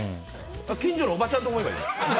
近所のおばちゃんと思えばいい。